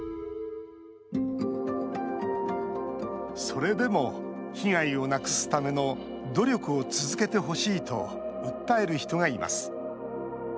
それでも被害をなくすための努力を続けてほしいと訴える人がいます。